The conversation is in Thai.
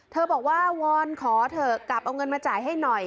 บอกว่าวอนขอเถอะกลับเอาเงินมาจ่ายให้หน่อย